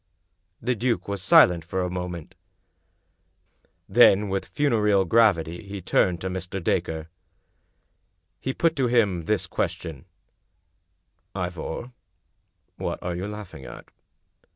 The duke was silent for a moment. Then with funereal gravity he turned to Mr. Dacre. He put to him this question: " Ivor, what are you laughing at?"